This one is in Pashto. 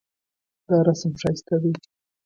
دا رسم ښایسته دی